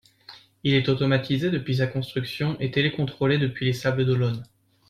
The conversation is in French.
Il est automatisé depuis sa construction et télécontrôlé depuis les Sables-d'Olonne.